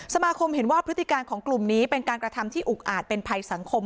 สมาคมเห็นว่าพฤติการของกลุ่มนี้เป็นการกระทำที่อุกอาจเป็นภัยสังคม